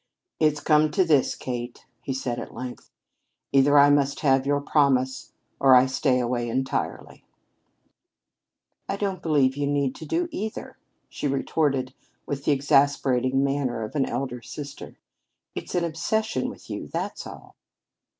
"It's come to this, Kate," he said at length. "Either I must have your promise or I stay away entirely." "I don't believe you need to do either," she retorted with the exasperating manner of an elder sister. "It's an obsession with you, that's all."